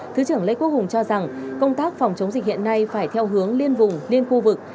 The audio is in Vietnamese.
thứ trưởng lê quốc hùng cho rằng công tác phòng chống dịch hiện nay phải theo hướng liên vùng liên khu vực